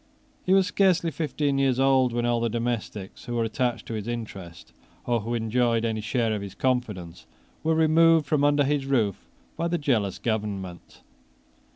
He was scarcely fifteen years old when all the domestics who were attached to his interest, or who enjoyed any share of his confidence, were removed from under his roof by the jealous government.